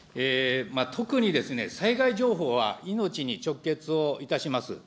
特に災害情報は命に直結をいたします。